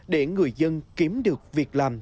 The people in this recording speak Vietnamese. để đánh được việc làm